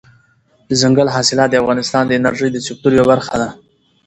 دځنګل حاصلات د افغانستان د انرژۍ د سکتور یوه برخه ده.